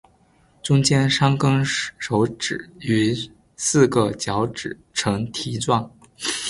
中间三跟手指与四个脚趾呈蹄状。